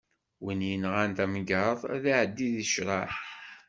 Win yenɣan tamgerḍt ad iɛeddi di ccṛeɛ.